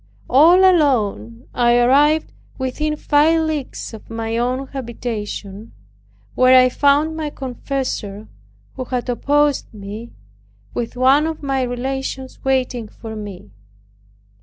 All alone I arrived within five leagues of my own habitation, where I found my confessor who had opposed me, with one of my relations, waiting for me.